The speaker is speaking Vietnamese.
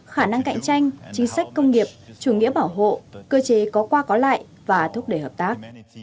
khả năng cạnh tranh chính sách công nghiệp chủ nghĩa bảo hộ cơ chế có qua có lại và thúc đẩy hợp tác